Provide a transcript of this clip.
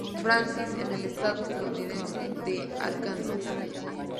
Francis en el estado estadounidense de Arkansas.